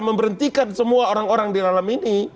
memberhentikan semua orang orang di dalam ini